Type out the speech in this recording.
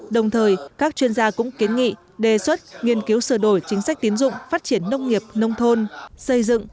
đồng thời các chuyên gia cũng kiến nghị đề xuất nghiên cứu sửa đổi chính sách tiến dụng phát triển nông nghiệp nông thôn xây dựng